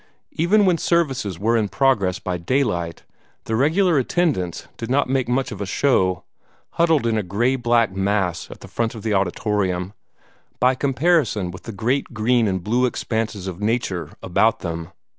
Even when services were in progress by daylight, the regular attendants did not make much of a show, huddled in a gray black mass at the front of the auditorium, by comparison with the great green and blue expanses of nature about them.